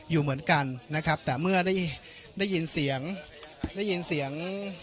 อยู่เหมือนกันนะครับแต่เมื่อได้ได้ยินเสียงได้ยินเสียง